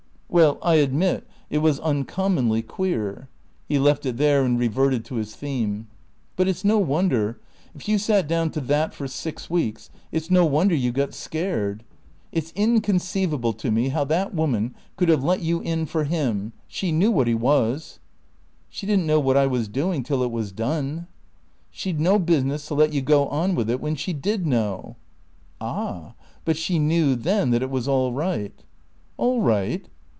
"Well, I admit it was uncommonly queer." He left it there and reverted to his theme. "But it's no wonder if you sat down to that for six weeks it's no wonder you got scared. It's inconceivable to me how that woman could have let you in for him. She knew what he was." "She didn't know what I was doing till it was done." "She'd no business to let you go on with it when she did know." "Ah! but she knew then that it was all right." "All right?"